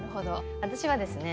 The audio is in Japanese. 私はですね